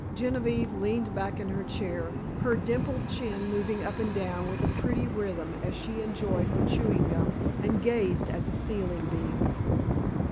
Genevieve leaned back in her chair, her dimpled chin moving up and down with a pretty rhythm as she enjoyed her chewing gum, and gazed at the ceiling beams.